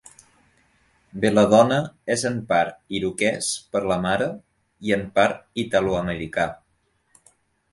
Belladonna és en part iroquès per la mare i en part italoamericà.